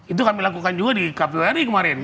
itu kami lakukan juga di kpu ri kemarin